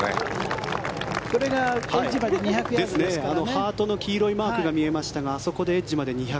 ハートの黄色いマークが見えましたがあそこでエッジまで２００。